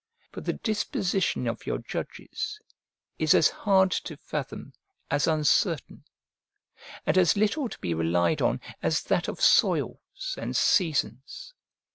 For the disposition of your judges is as hard to fathom as uncertain, and as little to be relied on as that of soils and seasons.